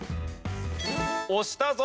押したぞ。